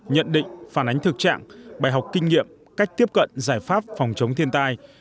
nhận định phản ánh thực trạng bài học kinh nghiệm cách tiếp cận giải pháp phòng chống thiên tai